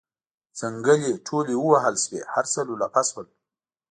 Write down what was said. ځنګلې ټولې ووهل شوې هر څه لولپه شول.